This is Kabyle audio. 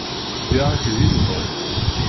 Ddiɣ-ak di lebɣi.